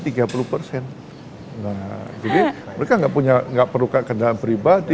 nah jadi mereka enggak perlukan kendaraan pribadi